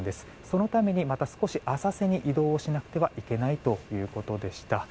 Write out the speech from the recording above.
そのためにまた少し浅瀬に移動しなくてはいけないということでした。